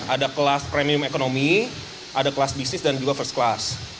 ada kelas premium ekonomi ada kelas bisnis dan juga first class